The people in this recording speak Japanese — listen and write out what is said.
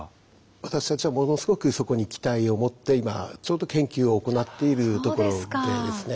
私たちはものすごくそこに期待を持って今ちょうど研究を行っているところですね。